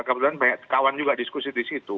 kebetulan banyak kawan juga diskusi di situ